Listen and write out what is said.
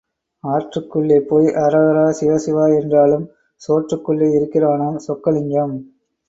ஆற்றுக்குள்ளே போய் அரஹரா சிவசிவா என்றாலும் சோற்றுக்குள்ளே இருக்கிறானாம் சொக்கலிங்கம்.